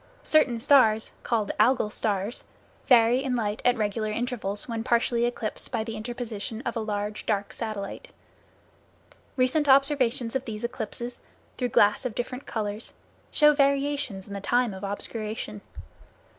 Certain stars, called Algol stars, vary in light at regular intervals when partially eclipsed by the interposition of a large dark satellite. Recent observations of these eclipses, through glass of different colors, show variations in the time of obscuration.